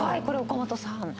これ岡本さん。